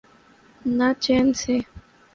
نہ چین سے۔